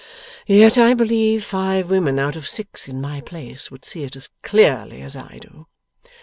Yet I believe five women out of six, in my place, would see it as clearly as I do.